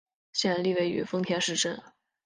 县莅位于丰田市镇。